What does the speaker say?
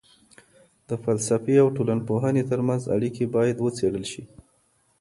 د فلسفې او ټولنپوهني ترمنځ اړیکې باید وڅېړل سي.